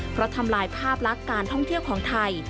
เพราะทำลายภาพลักษณ์การท่องเที่ยวของไทย